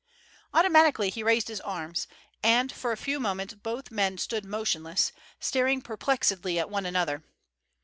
Automatically he raised his arms, and for a few moments both men stood motionless, staring perplexedly at one another.